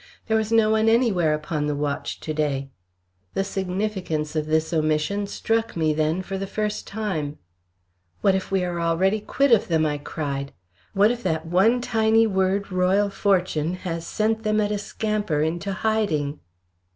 There was no one anywhere upon the watch to day. The significance of this omission struck me then for the first time. "What if already we are quit of them!" I cried. "What if that one tiny word Royal Fortune has sent them at a scamper into hiding?"